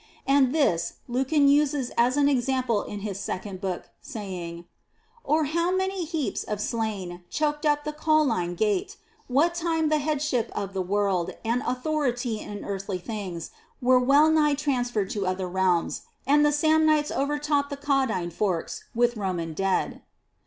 And this Lucan uses as an example in his second book, saying: " Or how many heaps of slain choked up the CoUine Gate, what time the headship of the world and authority in earthly things were well nigh trans ferred to other realms, and the Samnites over topped the Caudine Forks with Roman dead."